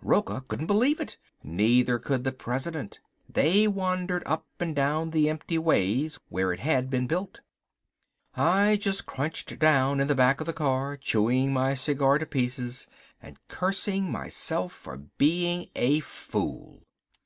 Rocca couldn't believe it, neither could the president. They wandered up and down the empty ways where it had been built. I just crunched down in the back of the car, chewing my cigar to pieces and cursing myself for being a fool.